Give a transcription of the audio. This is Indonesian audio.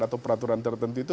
atau peraturan tertentu itu